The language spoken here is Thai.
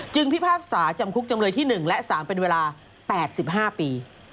พิพากษาจำคุกจำเลยที่๑และ๓เป็นเวลา๘๕ปี